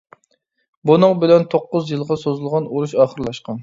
بۇنىڭ بىلەن توققۇز يىلغا سوزۇلغان ئۇرۇش ئاخىرلاشقان.